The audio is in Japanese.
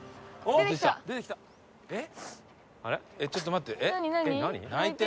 ちょっと待って。